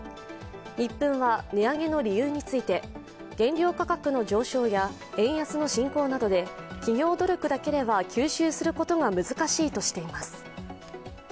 ニップンは値上げの理由について、原料価格の上昇や円安の進行などで企業努力だけでは吸収することが難しいとしています。